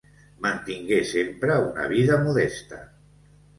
Mantingué sempre una vida modesta.